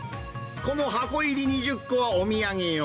この箱入り２０個はお土産用。